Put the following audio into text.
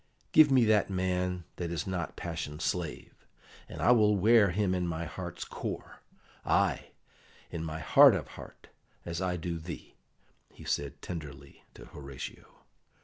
"Give me that man that is not passion's slave, and I will wear him in my heart's core ay, in my heart of heart, as I do thee," he said tenderly to Horatio.